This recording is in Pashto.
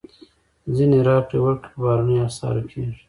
ځینې راکړې ورکړې په بهرنیو اسعارو کېږي.